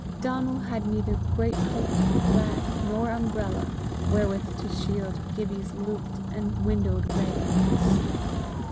Donal had neither greatcoat, plaid, nor umbrella, wherewith to shield Gibbie's looped and windowed raggedness.